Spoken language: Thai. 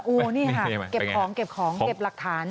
โอ้โหนี่ค่ะเก็บของเก็บของเก็บหลักฐาน